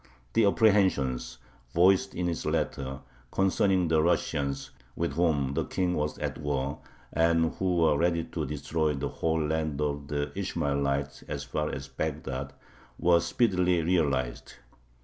The apprehensions, voiced in his letter, concerning the Russians, with whom the King was at war, and who were ready to "destroy the whole land of the Ishmaelites as far as Bagdad," were speedily realized.